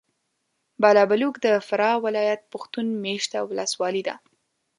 بالابلوک د فراه ولایت پښتون مېشته ولسوالي ده.